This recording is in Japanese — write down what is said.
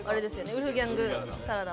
ウルフギャングサラダ。